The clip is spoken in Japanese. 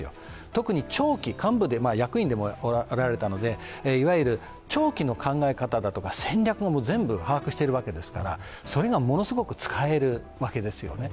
特に幹部でもあられた方なのでいわゆる長期の考え方や戦略を全部把握しているわけですからそれがものすごく使えるわけですよね。